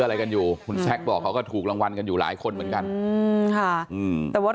อะไรกันอยู่คุณแซคบอกเขาก็ถูกรางวัลกันอยู่หลายคนเหมือนกันแต่ว่า